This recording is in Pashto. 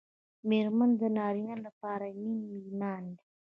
مېرمن د نارینه لپاره نیم ایمان دی